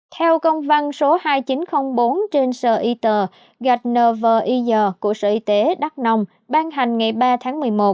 theo công văn số hai nghìn chín trăm linh bốn trên sở y tờ gatner v i g của sở y tế đắk nông ban hành ngày ba tháng một mươi một